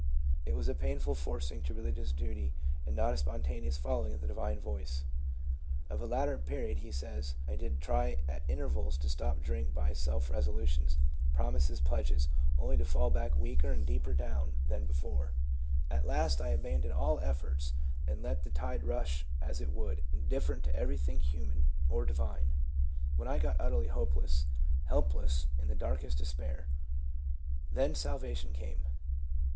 It was a painful forcing to religious duty, and not a spontaneous following of the Divine Voice." Of a later period he says, "I did try at intervals to stop drink by self resolutions, promises, pledges, only to fall back weaker and deeper down PSYCHOLOGY OF KELIGIOUS PHENOMENA. 367 than before. ... At last I abandoned all efforts and let the tide rush as it would, indifferent to everything human or divine When I got utterly hopeless, help less, in the darkest despair " then salvation came.